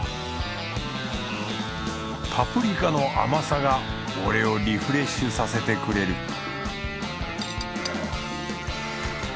パプリカの甘さが俺をリフレッシュさせてくれる